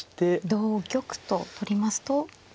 同玉と取りますと。